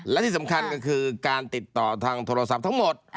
และที่สำคัญก็คือการติดต่อทางโทรศัพท์ทั้งหมด